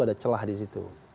ada celah di situ